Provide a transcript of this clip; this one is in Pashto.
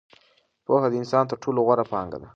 پوهه د انسان تر ټولو غوره پانګه ده.